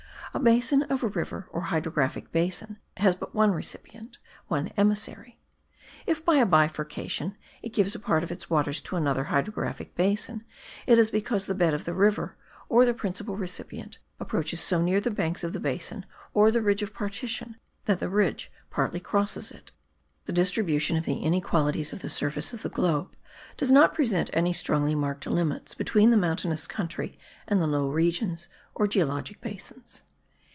A basin of a river, or hydrographic basin, has but one recipient, one emissary; if, by a bifurcation, it gives a part of its waters to another hydrographic basin, it is because the bed of the river, or the principal recipient, approaches so near the banks of the basin or the ridge of partition that the ridge partly crosses it. The distribution of the inequalities of the surface of the globe does not present any strongly marked limits between the mountainous country and the low regions, or geologic basins.